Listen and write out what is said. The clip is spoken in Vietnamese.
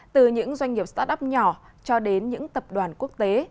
từ những doanh nghiệp start up nhỏ cho đến những tập đoàn quốc tế